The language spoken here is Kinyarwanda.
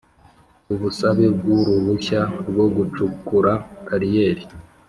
Ubusabe bw uruhushya rwo gucukura kariyeri